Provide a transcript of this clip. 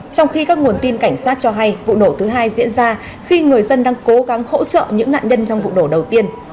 trong khi các nguồn tin cảnh sát cho hay vụ nổ thứ hai diễn ra khi người dân đang cố gắng hỗ trợ những nạn nhân trong vụ đổ đầu tiên